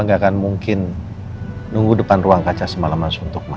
al gak akan mungkin nunggu depan ruang kaca semalaman suntuk ma